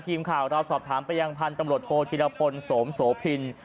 ทีมข่าวเราสอบถามไปยังพันธุ์ตำรวจโทษธิรพลโสมิน